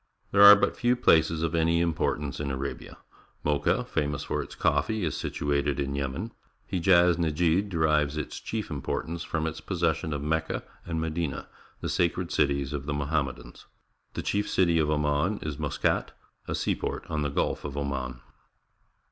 — There are but few places of any importance in Arabia. Mocha, famous for its coffee, is situated in Yemen. Hejaz Nejd derives its cliief importance from its posses sion of Mecca and Medina — the sacred cities of the Mohammedans. The chief city of Oman is Muscat, a seaport on the Gtilf of Oman.